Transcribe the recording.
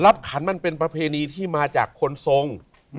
ขันมันเป็นประเพณีที่มาจากคนทรง